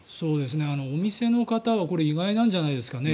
お店の方はこれ意外なんじゃないですかね。